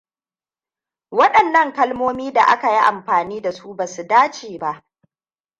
Wadannan kalmomini da aka yi amfani da su basu dace ba.